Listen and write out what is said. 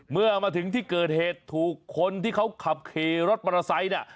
เมื่อมาถึงที่เกิดเหตุถูกคนที่เขาขับขี่รถมอเตอร์ไซค์เนี่ย